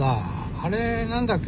あれ何だっけ？